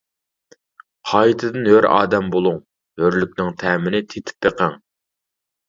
قايتىدىن ھۆر ئادەم بولۇڭ، ھۆرلۈكنىڭ تەمىنى تېتىپ بېقىڭ!